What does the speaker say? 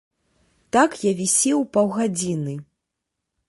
Так я вісеў паўгадзіны.